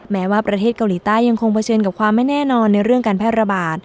แม้ว่าประเทศเกาหลีใต้ยังคงเผชิญกับความไม่แน่นอนในเรื่องการแพร่ระบาด